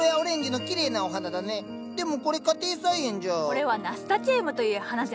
これは「ナスタチウム」という花じゃ。